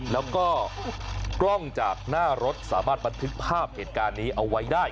แล้วก็กล้องจากหน้ารถสามารถบันทึกภาพเหตุการณ์นี้เอาไว้ได้